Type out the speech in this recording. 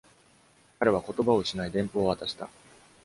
彼は言葉を失い、電報を渡した。